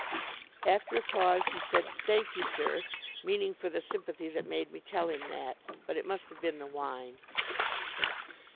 After a pause, he said, "Thank you, sir," meaning for the sympathy that made me tell him that. But it must have been the wine.